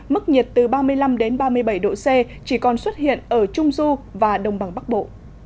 mức nhiệt từ ba mươi năm ba mươi bảy độ c chỉ còn xuất hiện ở trung du và đông bằng bắc bộ